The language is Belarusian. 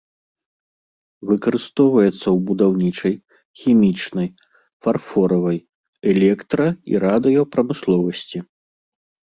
Выкарыстоўваецца ў будаўнічай, хімічнай, фарфоравай, электра- і радыёпрамысловасці.